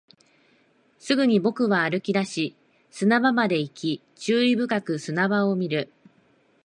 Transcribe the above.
すぐに僕は歩き出し、砂場まで行き、注意深く砂場を見る